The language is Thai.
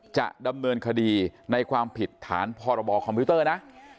จะดำเนินคดีในความผิดฐานพรบคอมพิวเตอร์นะ